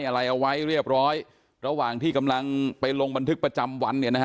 อะไรเอาไว้เรียบร้อยระหว่างที่กำลังไปลงบันทึกประจำวันเนี่ยนะฮะ